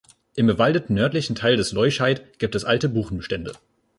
Im bewaldeten nördlichen Teil des Leuscheid gibt es alte Buchenbestände.